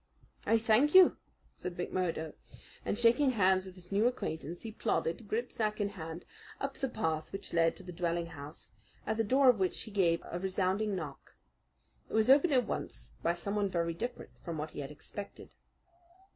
"I thank you," said McMurdo, and shaking hands with his new acquaintance he plodded, gripsack in hand, up the path which led to the dwelling house, at the door of which he gave a resounding knock. It was opened at once by someone very different from what he had expected.